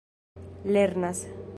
lernas